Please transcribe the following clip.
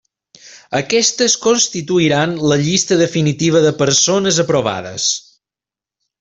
Aquestes constituiran la llista definitiva de persones aprovades.